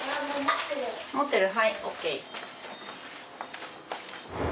持ってるはいＯＫ。